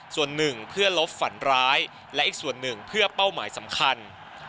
ส่วนหนึ่งเพื่อลบฝันร้ายและอีกส่วนหนึ่งเพื่อเป้าหมายสำคัญ